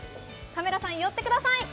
カメラさん寄ってください。